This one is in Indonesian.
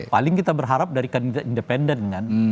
paling kita berharap dari kandidat independen kan